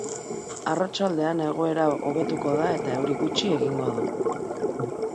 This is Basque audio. Arratsaldean egoera hobetuko da eta euri gutxi egingo du.